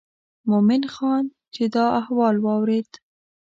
مومن خان چې دا احوال واورېد.